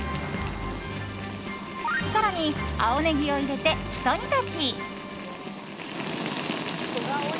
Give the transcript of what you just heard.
更に青ネギを入れて、ひと煮立ち。